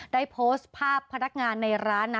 ได้โพสต์ภาพพนักงานในร้านนะ